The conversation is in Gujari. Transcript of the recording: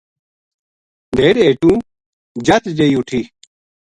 ڈھیڈ ہِیٹُو جَت جئی اُ ٹھی